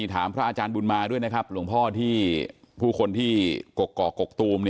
ถามพระอาจารย์บุญมาด้วยนะครับหลวงพ่อที่ผู้คนที่กกอกกกตูม